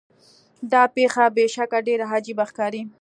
دا پیښه بې شکه ډیره عجیبه ښکاري.